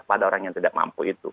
pada orang yang tidak mampu itu